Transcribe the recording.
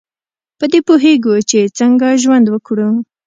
په دې پوهیږو چې څنګه ژوند وکړو.